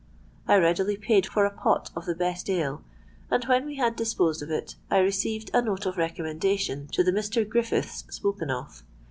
I readily paid for a pot of the best ale; and when we had disposed of it, I received a note of recommendation to the Mr. Griffiths spoken of.